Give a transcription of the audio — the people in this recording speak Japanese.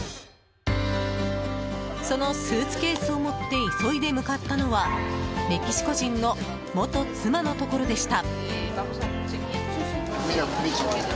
そのスーツケースを待って急いで向かったのはメキシコ人の元妻のところでした。